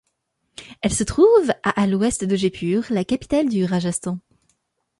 Elle se trouve à à l'ouest de Jaipur - la capitale du Rajasthan.